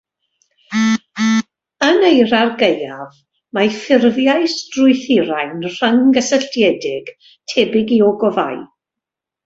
Yn eira'r gaeaf, mae'r ffurfiau strwythurau'n rhyng-gysylltiedig, tebyg i ogofâu.